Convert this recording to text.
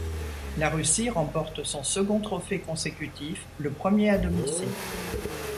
La Russie remporte son second trophée consécutif, le premier à domicile.